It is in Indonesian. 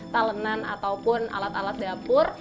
talenan ataupun alat alat dapur